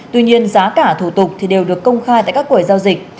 tuy nhiên giá cả thủ tục thì đều được công khai tại các quầy giao dịch